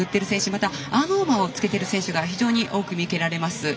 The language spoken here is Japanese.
そしてアームウォーマーをつけている選手が非常に多く見受けられます。